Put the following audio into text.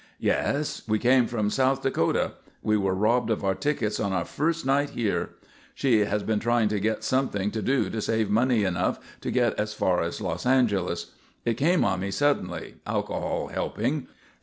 "Yes. We came from South Dakota. We were robbed of our tickets on our first night here. She has been trying to get something to do to save enough money to get as far as Los Angeles. It came on me suddenly, alcohol helping.